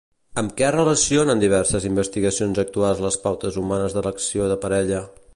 Amb què relacionen diverses investigacions actuals les pautes humanes d'elecció de parella?